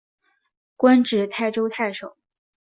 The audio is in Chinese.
官至泰州太守。